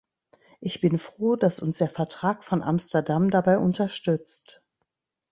Ich bin froh, dass uns der Vertrag von Amsterdam dabei unterstützt.